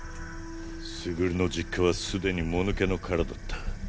傑の実家はすでにもぬけの殻だった。